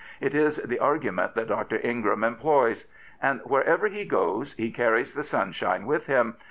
It is the argument that Dr. Ingram employs. And wherever he goes he carries the sunshine with him.